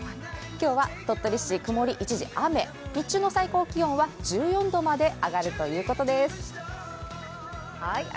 今日は鳥取市、曇り一時雨日中の最高気温は１４度まで上がるということです。